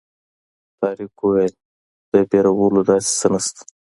طارق وویل د وېرېدلو داسې څه نه شته.